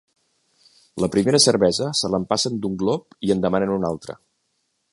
La primera cervesa se l'empassen d'un glop i en demanen una altra.